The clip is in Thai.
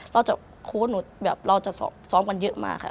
เราจะโค้ชหนูเราจะซ้อมกันเยอะมากค่ะ